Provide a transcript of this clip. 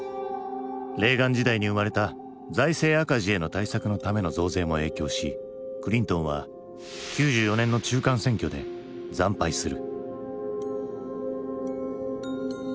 レーガン時代に生まれた財政赤字への対策のための増税も影響しクリントンは９４年の中間選挙で惨敗する。